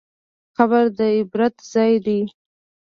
قبر د عبرت ځای دی.